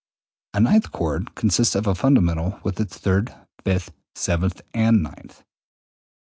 A ninth chord consists of a fundamental with its third, fifth, seventh, and ninth.